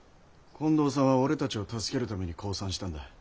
近藤さんは俺たちを助けるために降参したんだ。